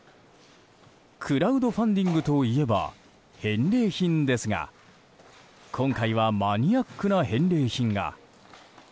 クラウドファンディングといえば返礼品ですが今回はマニアックな返礼品が。